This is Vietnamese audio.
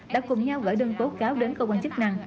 đã cùng nhau gỡ đơn tố cáo đến cơ quan chức năng